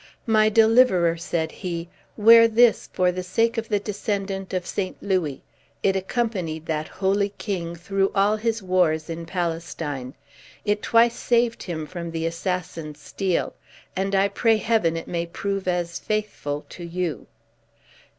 "My deliverer," said he, "wear this for the sake of the descendant of St. Louis. It accompanied that holy king through all his wars in Palestine. It twice saved him from the assassin's steel; and I pray Heaven it may prove as faithful to you."